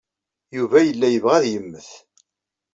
Yuba yella yebɣa ad yemmet.